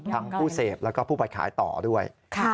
ทั้งผู้เสพแล้วก็ผู้ผ่าขายต่อด้วย